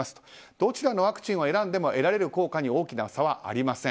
どちらのワクチンを選んでも得られる効果に大きな差はありません。